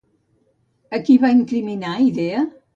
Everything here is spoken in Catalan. A qui va incriminar Idea?